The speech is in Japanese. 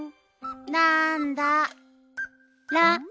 なんだ？